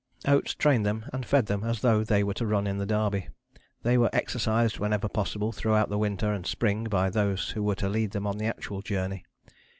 Oates trained them and fed them as though they were to run in the Derby. They were exercised whenever possible throughout the winter and spring by those who were to lead them on the actual journey.